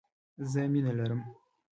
زه مينه لرم